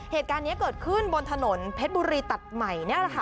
เหตุการณ์นี้เกิดขึ้นบนถนนเพชรบุรีตัดใหม่นี่แหละค่ะ